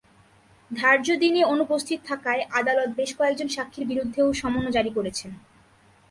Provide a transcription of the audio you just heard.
ধার্য দিনে অনুপস্থিত থাকায় আদালত বেশ কয়েকজন সাক্ষীর বিরুদ্ধেও সমন জারি করেছেন।